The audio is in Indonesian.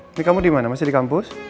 ini kamu dimana masih di kampus